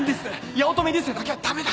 八乙女流星だけはダメだ！